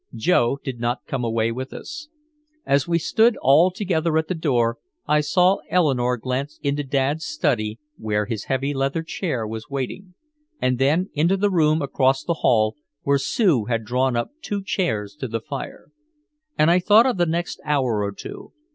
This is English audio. Joe did not come away with us. As we stood all together at the door, I saw Eleanore glance into Dad's study where his heavy leather chair was waiting, and then into the room across the hall where Sue had drawn up two chairs to the fire. And I thought of the next hour or two.